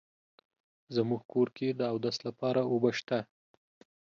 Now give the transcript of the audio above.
زمونږ کور کې د اودس لپاره اوبه شته